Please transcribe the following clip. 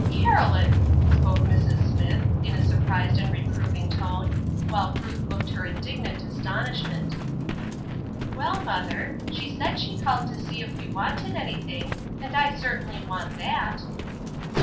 "Caroline!" spoke Mrs. Smith, in a surprised and reproving tone, while Ruth looked her indignant astonishment. "Well, mother, she said she called to see if we wanted anything, and I certainly want that."